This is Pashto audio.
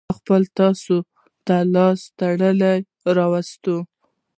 ما خپله تاسو ته لاس تړلى راوستو.